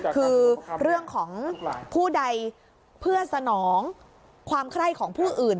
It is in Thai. คือเรื่องของผู้ใดเพื่อสนองความไคร้ของผู้อื่น